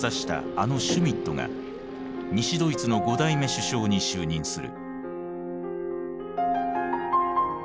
あのシュミットが西ドイツの５代目首相に就任する。